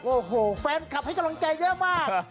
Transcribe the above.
โอ้โหแฟนคลับให้กำลังใจเยอะมาก